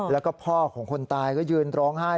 แล้วก็พ่อของคนตายก็ยืนร้องไห้